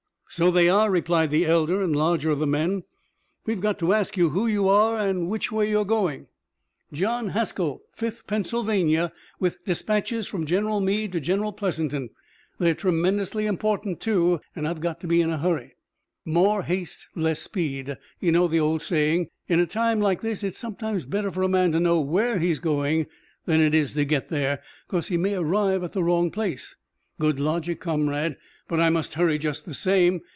"So they are," replied the elder and larger of the men. "We've got to ask you who you are and which way you're going." "John Haskell, Fifth Pennsylvania, with dispatches from General Meade to General Pleasanton. They're tremendously important, too, and I've got to be in a hurry." "More haste less speed. You know the old saying. In a time like this it's sometimes better for a man to know where he's going than it is to get there, 'cause he may arrive at the wrong place." "Good logic, comrade, but I must hurry just the same.